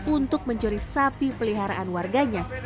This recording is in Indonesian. untuk mencuri sapi peliharaan warganya